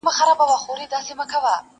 چي ما وويني پر بله لار تېرېږي،